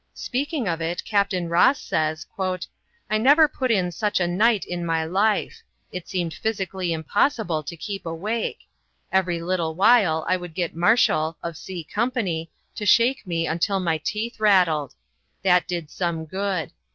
Speaking of it, Capt. Ross says: "I never put in such a night in my life. It seemed physically impossible to keep awake. Every little while I would get Marshall, of 'C' Company, to shake me until my teeth rattled. That did some good.